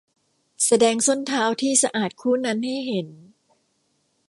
แสดงส้นเท้าที่สะอาดคู่นั้นให้เห็น